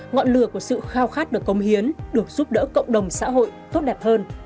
ngọn lửa của sự khao khát được công hiến được giúp đỡ cộng đồng xã hội tốt đẹp hơn